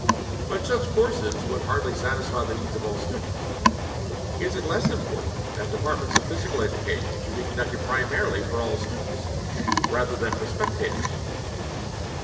But such courses would hardly satisfy the needs of all students. Is it less important that departments of physical education should be conducted primarily for all students rather than for spectators?